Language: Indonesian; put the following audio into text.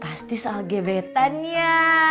pasti soal gebetan ya